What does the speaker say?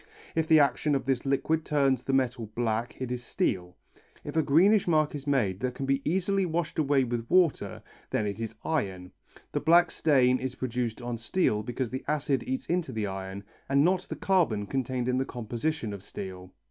If the action of this liquid turns the metal black it is steel, if a greenish mark is made that can be easily washed away with water, then it is iron. The black stain is produced on steel because the acid eats into the iron and not the carbon contained in the composition of steel.